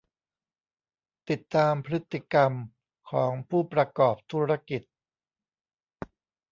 ติดตามพฤติกรรมของผู้ประกอบธุรกิจ